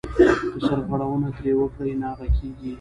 که سرغړونه ترې وکړې ناغه کېږې .